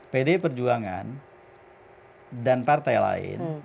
pdi perjuangan dan partai lain